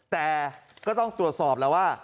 แต่ก็ต้องตรวจสอบแล้วว่า